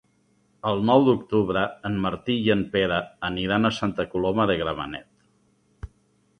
El nou d'octubre en Martí i en Pere aniran a Santa Coloma de Gramenet.